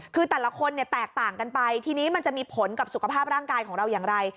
คือแต่ละคนเนี่ยแตกต่างกันไปทีนี้มันจะมีผลกับสุขภาพร่างกายของเราอย่างไร